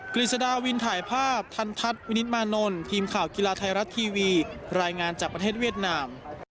กฤษฎาวินถ่ายภาพทันทัศน์วินิตมานนท์ทีมข่าวกีฬาไทยรัฐทีวีรายงานจากประเทศเวียดนาม